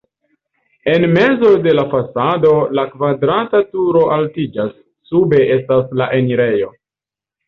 En mezo de la fasado la kvadrata turo altiĝas, sube estas la enirejo.